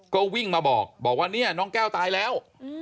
ก็วิ่งมาบอกว่าเนี่ยน้องแก้วตายแล้ว